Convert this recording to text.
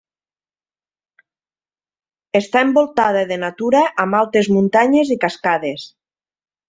Està envoltada de natura amb altes muntanyes i cascades.